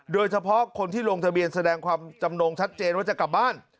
โดยเฉพาะคนที่ลงทะเบียนแสดงความจำนงชัดเจนว่าจะกลับบ้าน